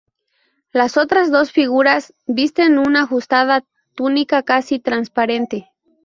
Las otras dos figuras visten un ajustada túnica casi transparente.